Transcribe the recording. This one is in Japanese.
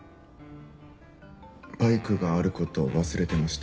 バイクがある事を忘れてました。